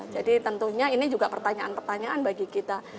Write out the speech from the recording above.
jadi tentunya ini juga pertanyaan pertanyaan bagi kita